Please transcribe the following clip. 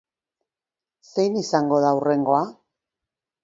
Zein izango da hurrengoa?